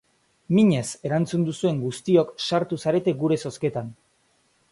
Minez erantzun duzuen guztiok sartu zarete gure zozketan.